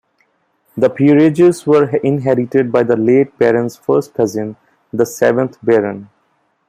The peerages were inherited by the late Baron's first cousin, the seventh Baron.